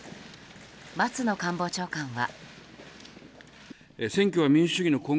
松野官房長官は。